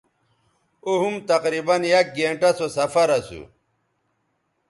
او ھُم تقریباً یک گھنٹہ سو سفراسو